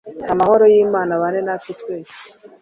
Amahoro yimana abane natwe twese